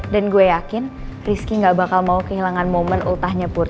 dan gue yakin rizky gak bakal mau kehilangan momen ultahnya purwokadar